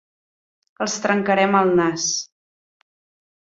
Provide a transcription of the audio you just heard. Els trencarem el nas!